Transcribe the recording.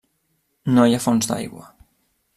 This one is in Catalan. No hi ha fonts d'aigua.